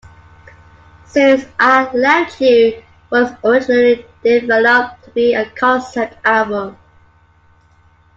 "Since I Left You" was originally developed to be a concept album.